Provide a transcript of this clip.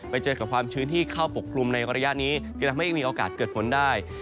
ไปเจอกับความชื้นที่เข้าปกกลุ่มในระยะนี้จึงทำให้มีโอกาสเกิดฝนได้